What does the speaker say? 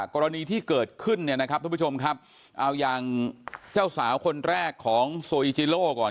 กรณีที่เกิดขึ้นเนี่ยนะครับทุกผู้ชมครับเอาอย่างเจ้าสาวคนแรกของโซอิจิโลก่อน